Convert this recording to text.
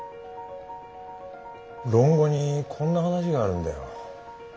「論語」にこんな話があるんだよ。